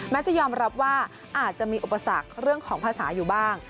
จะยอมรับว่าอาจจะมีอุปสรรคเรื่องของภาษาอยู่บ้าง